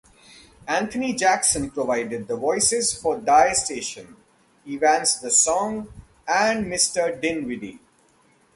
Anthony Jackson provided the voices for Dai Station, Evans the Song and Mr. Dinwiddy.